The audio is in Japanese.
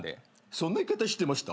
そんな言い方してました？